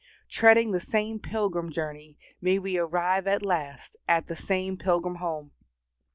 Treading the same pilgrim journey, may we arrive at last at the same pilgrim home.